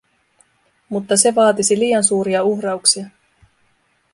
Mutta se vaatisi liian suuria uhrauksia;